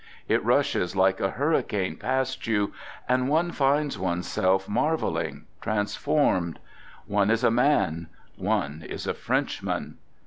It rushes like a hurricane past you, and one finds oneself mar veling, transformed : one is a man, one is a French man.